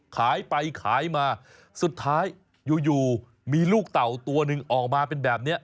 ขายไปขายมาสุดท้ายอยู่มีลูกเต่าตัวหนึ่งออกมาเป็นแบบนี้